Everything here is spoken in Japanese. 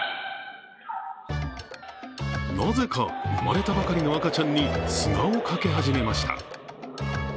なぜか産まれたばかりの赤ちゃんに砂をかけ始めました。